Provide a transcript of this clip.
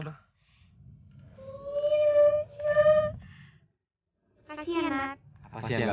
paksiat pasti enggak